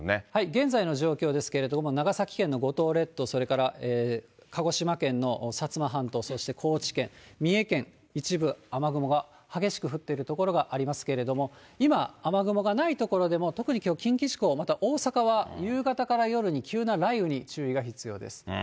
現在の状況ですけれども、長崎県の五島列島、それから鹿児島県の薩摩半島、そして高知県、三重県、一部雨雲が激しく降っている所がありますけれども、今、雨雲がない所でも、特にきょう、近畿地方、また大阪は夕方から夜に、急な雷雨に注意が必要です。